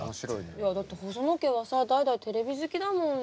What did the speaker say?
いやだって細野家はさ代々テレビ好きだもん。